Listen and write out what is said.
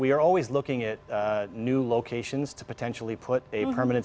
kita selalu melihat lokasi baru untuk membuat tempat permanen